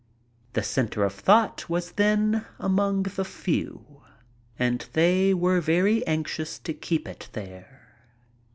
The center of thought was then among the few, and they were very anxious to keq;> it there.